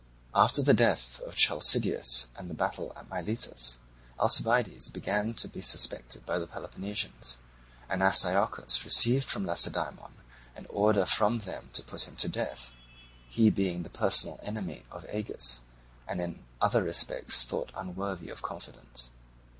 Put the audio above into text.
After the death of Chalcideus and the battle at Miletus, Alcibiades began to be suspected by the Peloponnesians; and Astyochus received from Lacedaemon an order from them to put him to death, he being the personal enemy of Agis, and in other respects thought unworthy of confidence.